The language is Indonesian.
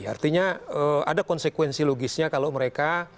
artinya ada konsekuensi logisnya kalau mereka